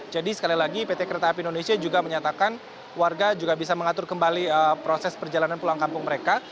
jadi sekali lagi pt kereta api indonesia juga menyatakan warga juga bisa mengatur kembali proses perjalanan pulang kampung mereka